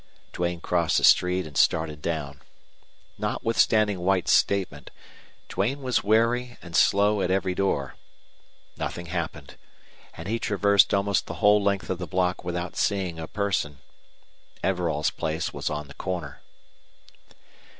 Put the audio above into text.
Duane crossed the street and started down. Notwithstanding White's statement Duane was wary and slow at every door. Nothing happened, and he traversed almost the whole length of the block without seeing a person. Everall's place was on the corner.